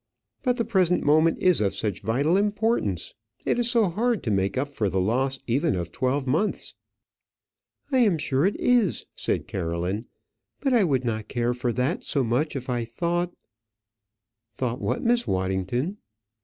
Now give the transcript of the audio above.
But the present moment is of such vital importance! It is so hard to make up for the loss even of twelve months!" "I am sure it is," said Caroline; "but I would not care for that so much if I thought " "Thought what, Miss Waddington?"